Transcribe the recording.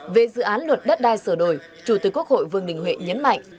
về dự án luật đất đai sửa đổi chủ tịch quốc hội vương đình huệ nhấn mạnh